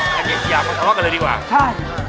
อย่างเนี่ยอย่ามาทะวักกันเลยดีกว่าใช่